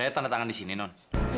saya tanda tangan disini non